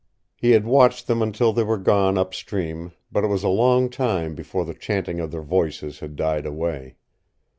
He had watched them until they were gone up stream, but it was a long time before the chanting of their voices had died away.